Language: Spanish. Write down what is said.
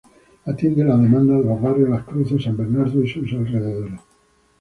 Atiende la demanda de los barrios Las Cruces, San Bernardo y sus alrededores.